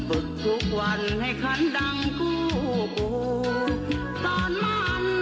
ผมฝึกทุกวันให้คันดัง